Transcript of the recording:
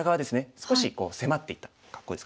少し迫っていった格好ですかね。